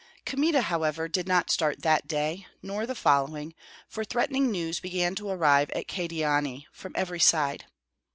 Kmita, however, did not start that day, nor the following, for threatening news began to arrive at Kyedani from every side.